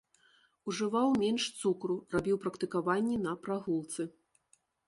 Ужываў менш цукру, рабіў практыкаванні на прагулцы.